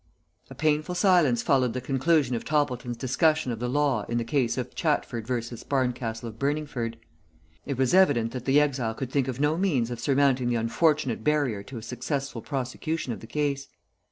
A painful silence followed the conclusion of Toppleton's discussion of the law in the case of Chatford v. Barncastle of Burningford. It was evident that the exile could think of no means of surmounting the unfortunate barrier to a successful prosecution of the case.